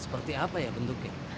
seperti apa ya bentuknya